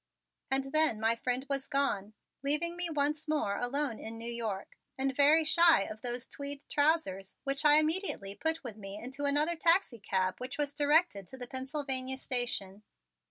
And then my friend was gone, leaving me once more alone in New York and very shy of those tweed trousers, which I immediately put with me into another taxicab which was directed to the Pennsylvania Station.